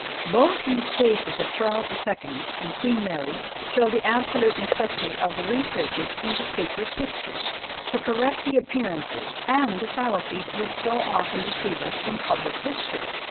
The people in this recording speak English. Both these cases of Charles the Second and Queen Mary show the absolute necessity of researches into secret history, to correct the appearances and the fallacies which so often deceive us in public history.